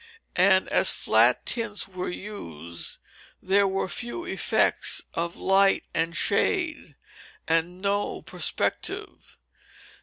And as flat tints were used there were few effects of light and shade, and no perspective.